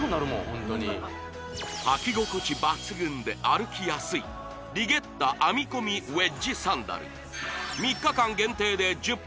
ホントに履き心地抜群で歩きやすいリゲッタ編み込みウェッジサンダル３日間限定で１０％